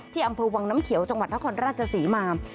อำเภอวังน้ำเขียวจังหวัดนครราชศรีมา